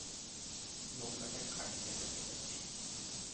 নৌকাটা ঘাটে কেন নিয়ে যাচ্ছি?